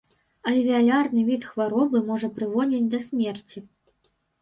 Альвеалярны від хваробы можа прыводзіць да смерці.